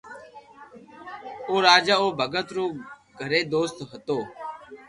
او راجا او ڀگت رو گھرو دوست ھتو